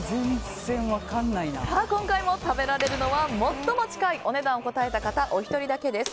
今回も食べられるのは最も近いお値段を答えた１人だけです。